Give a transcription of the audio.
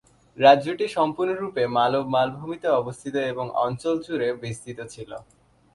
রাজ্যটি সম্পূর্ণরূপে মালব মালভূমিতে অবস্থিত এবং অঞ্চল জুড়ে বিস্তৃত ছিল।